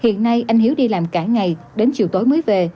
hiện nay anh hiếu đi làm cả ngày đến chiều tối mới về